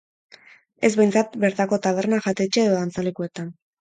Ez behintzat bertako taberna, jatetxe edo dantzalekutan.